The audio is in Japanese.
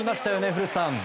古田さん。